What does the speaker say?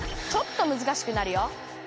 ちょっとむずかしくなるよ。